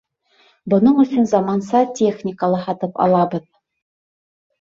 Бының өсөн заманса техника ла һатып алабыҙ.